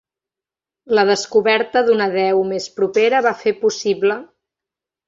La descoberta d'una deu més propera va fer possible.